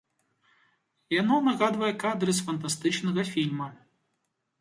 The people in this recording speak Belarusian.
Яно нагадвае кадры з фантастычнага фільма.